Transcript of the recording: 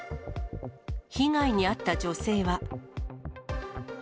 被害に遭った女性は。